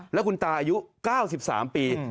แล้วคุณตาอายุ๙๓ปี